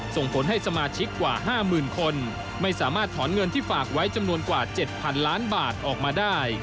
ส่งผลให้สมาชิกกว่า๕๐๐๐คนไม่สามารถถอนเงินที่ฝากไว้จำนวนกว่า๗๐๐ล้านบาทออกมาได้